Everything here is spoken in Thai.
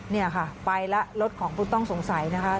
นี่ค่ะไปแล้วรถของผู้ต้องสงสัยนะคะ